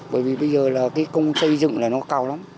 bởi vì bây giờ là cái công xây dựng là nó cao lắm